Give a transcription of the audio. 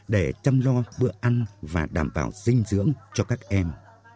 để chăm lo bữa ăn và đảm bảo dinh dưỡng cho các em